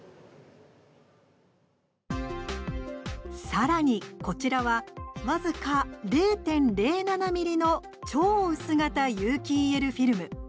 さらに、こちらは僅か０．０７ｍｍの超薄型有機ＥＬフィルム。